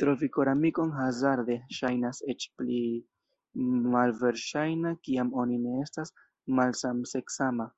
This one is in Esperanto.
Trovi koramikon hazarde ŝajnas eĉ pli malverŝajna kiam oni ne estas malsamseksama.